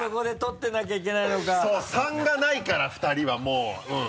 ３が無いから２人はもう。